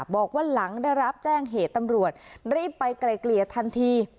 บอกว่าหลังได้รับแจ้งเหตุตำรวจรีบไปไกลเกลี่ยทันที